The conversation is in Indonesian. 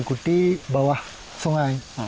berarti bawah sungai